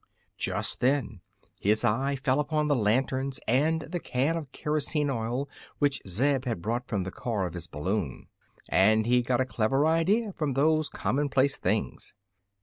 Just then his eye fell upon the lanterns and the can of kerosene oil which Zeb had brought from the car of his balloon, and he got a clever idea from those commonplace things.